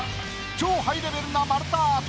超ハイレベルな丸太アート